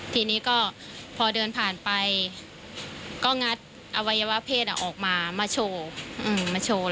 ทีนี้ก็พอเดินผ่านไปก็งัดอวัยวะเพศออกมามาโชว์มาโชว์